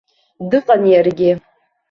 Дыҟан иаргьы.